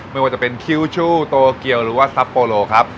ไม่ว่าจะเป็นคิวชูโตเกียวหรือว่าซับโปโลครับ